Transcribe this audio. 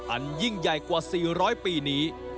อันยิ่งใหญ่กว่า๔๐๐ปีนี้